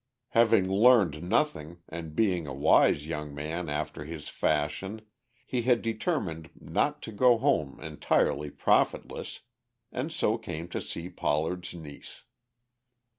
Having learned nothing, and being a wise young man after his fashion, he had determined not to go home entirely profitless, and so came to see Pollard's niece.